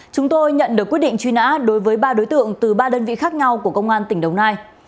chúng tôi nhận được quyết định truy nã đối với ba đối tượng từ ba đơn vị khác nhau của công an tỉnh đồng nai